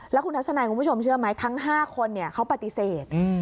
แล้วคุณทัศนัยคุณผู้ชมเชื่อไหมทั้ง๕คนเขาปฏิเสธ